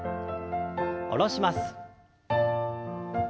下ろします。